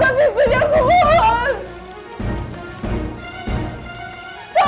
tolong buka pintunya kumur